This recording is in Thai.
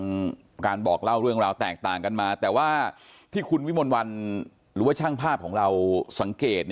การบอกเล่าเรื่องราวแตกต่างกันมาแต่ว่าที่คุณวิมลวันหรือว่าช่างภาพของเราสังเกต